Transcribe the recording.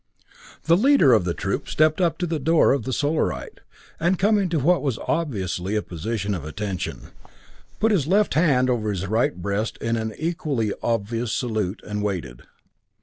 The leader of the troop stepped up to the door of the Solarite, and coming to what was obviously a position of attention, put his left hand over his right breast in an equally obvious salute, and waited.